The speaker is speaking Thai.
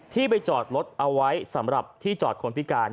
ที่ไปจอดรถเอาไว้สำหรับที่จอดคนพิการ